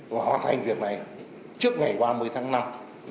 và hoàn thành việc này trước ngày ba mươi tháng năm năm hai nghìn hai mươi bốn